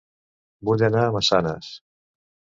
Vull anar a Massanes